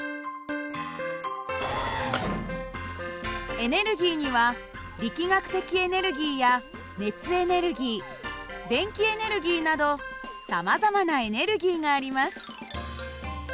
エネルギーには力学的エネルギーや熱エネルギー電気エネルギーなどさまざまなエネルギーがあります。